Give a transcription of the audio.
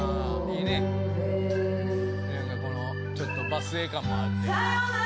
このちょっと場末感もあって。